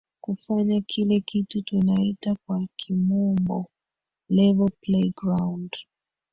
kufanya kile kitu tunaita kwa kimombo level play ground